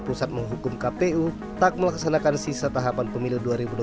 pusat menghukum kpu tak melaksanakan sisa tahapan pemilu dua ribu dua puluh